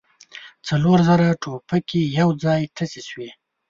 څلور زره ټوپکې يو ځای تشې شوې.